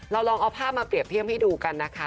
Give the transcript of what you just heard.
ลองเอาภาพมาเปรียบเทียบให้ดูกันนะคะ